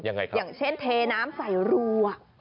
อย่างเช่นเทน้ำใส่รู